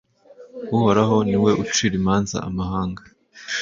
uhoraho ni we ucira imanza amahanga